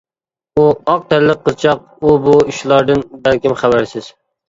ئۇ، ئاق تەنلىك قىزچاق، ئۇ بۇ ئىشلاردىن بەلكىم خەۋەرسىز.